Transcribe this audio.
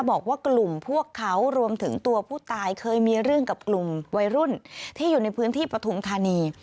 บอกว่ากลุ่มพวกเขารวมถึงตัวผู้ตายเคยมีเรื่องกับกลุ่มวัยรุ่นที่อยู่ในพื้นที่ปฐุมธานี